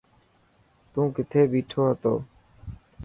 تون ڪٿي بيٺو هتو.